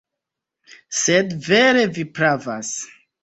Sed vere Vi pravas.